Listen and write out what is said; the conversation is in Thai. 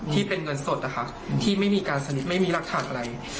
ที่เป็นเงินสดที่ไม่มีรักฐานอะไร